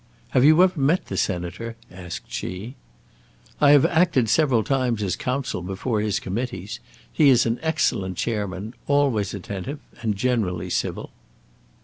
"Have you ever met the Senator?" asked she. "I have acted several times as counsel before his committees. He is an excellent chairman, always attentive and generally civil."